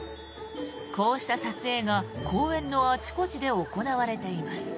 こうした撮影が公園のあちこちで行われています。